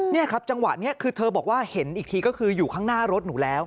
นี่ครับจังหวะนี้คือเธอบอกว่าเห็นอีกทีก็คืออยู่ข้างหน้ารถหนูแล้ว